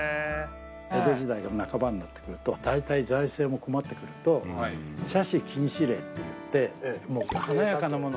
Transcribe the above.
江戸時代の半ばになってくると大体財政も困ってくると奢侈禁止令といって華やかなもの